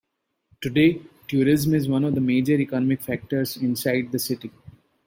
Today, tourism is one of the major economic factors inside the city.